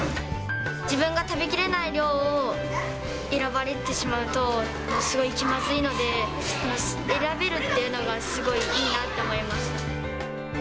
自分が食べきれない量を選ばれてしまうと、すごい気まずいので、選べるっていうのが、すごいいいなと思います。